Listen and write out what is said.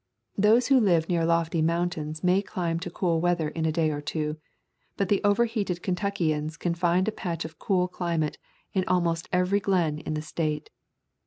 Those who live near lofty mountains may climb to cool weather in a day or two, but the overheated Kentuckians can find a patch of cool climate in almost every glen in the State.